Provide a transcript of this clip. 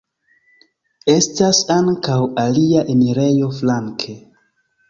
Estas ankaŭ alia enirejo flanke.